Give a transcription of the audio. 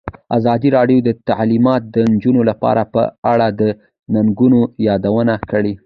ازادي راډیو د تعلیمات د نجونو لپاره په اړه د ننګونو یادونه کړې.